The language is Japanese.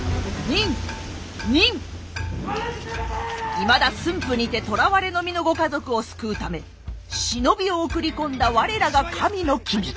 いまだ駿府にてとらわれの身のご家族を救うため忍びを送り込んだ我らが神の君。